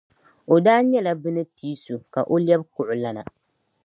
O daa nyɛla bɛ ni pii so ka o lɛbi kuɣulana.